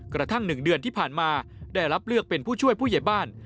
กระทั่ง๑เดือนที่ผ่านมาได้รับเลือกเป็นผู้ช่วยผู้ใหญ่บ้าน